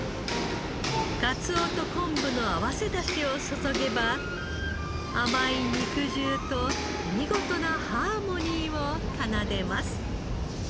カツオと昆布の合わせ出汁を注げば甘い肉汁と見事なハーモニーを奏でます。